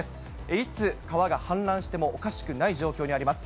いつ川が氾濫してもおかしくない状況にあります。